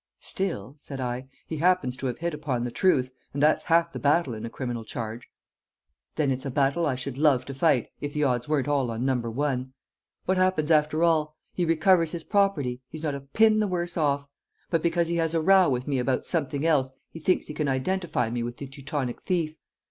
"Still," said I, "he happens to have hit upon the truth, and that's half the battle in a criminal charge." "Then it's a battle I should love to fight, if the odds weren't all on Number One! What happens, after all? He recovers his property he's not a pin the worse off but because he has a row with me about something else he thinks he can identify me with the Teutonic thief!